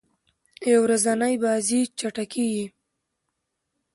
یو ورځنۍ بازۍ چټکي يي.